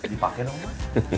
dipakai dong mak